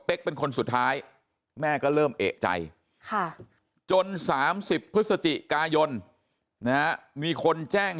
เป็นคนสุดท้ายแม่ก็เริ่มเอกใจจน๓๐พฤศจิกายนมีคนแจ้ง